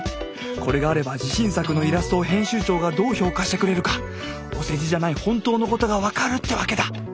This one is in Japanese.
これがあれば自信作のイラストを編集長がどう評価してくれるかお世辞じゃない本当のことが分かるってわけだ。